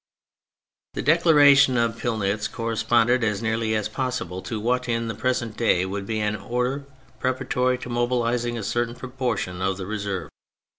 The Declaration of Pillnitz corresponded as nearly as possible to what in the present day would be an order preparatory to mobi lising a certain proportion of the reserve.